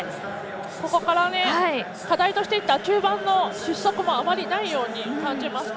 ここから課題としていた中盤の失速もあまりないように感じました。